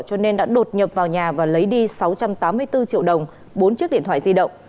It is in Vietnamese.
cho nên đã đột nhập vào nhà và lấy đi sáu trăm tám mươi bốn triệu đồng bốn chiếc điện thoại di động